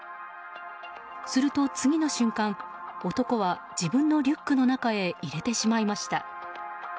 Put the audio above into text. すると、次の瞬間男は自分のリュックの中へ入れてしまいました。